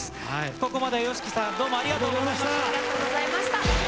ここまでＹＯＳＨＩＫＩさんどうもありがとうございました。